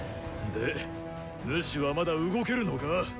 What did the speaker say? でヌシはまだ動けるのか？